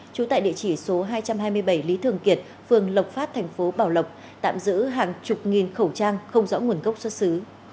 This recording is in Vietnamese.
trú tại địa chỉ số hai trăm hai mươi bảy lý thường kiệt phường lộc phát thành phố bảo lộc tạm giữ hàng chục nghìn khẩu trang không rõ nguồn gốc xuất xứ